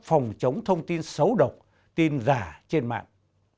phòng chống thông tin xấu độc tin giả trên mạng